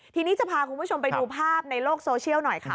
ทีนี้จะพาคุณผู้ชมไปดูภาพในโลกโซเชียลหน่อยค่ะ